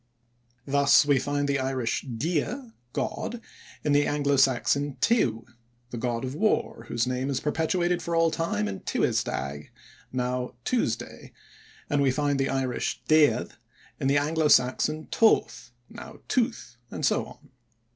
Thus we find the Irish dia (god) in the Anglo Saxon tiw, the god of war, whose name is perpetuated for all time in Tiwes däg, now "Tuesday", and we find the Irish déad in the Anglo Saxon "toth", now "tooth", and so on.